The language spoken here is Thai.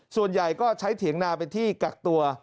ส่วนใหญ่ก็ใช้เถียงนาเป็นที่กักตัว